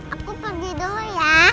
aku pergi dulu ya